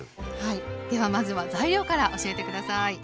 ではまずは材料から教えて下さい。